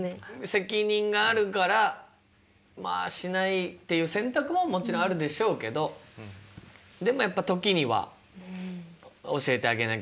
責任があるからまあしないっていう選択ももちろんあるでしょうけどでもやっぱ時には教えてあげなきゃいけない時もあるというかね。